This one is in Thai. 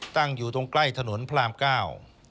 ตั้งอยู่ตรงใกล้ถนนพระรามเก้า